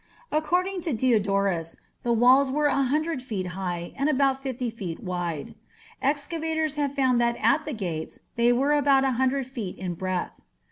According to Diodorus, the walls were a hundred feet high and about fifty feet wide. Excavators have found that at the gates they were about a hundred feet in breadth.